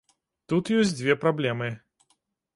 Тут ёсць дзве праблемы.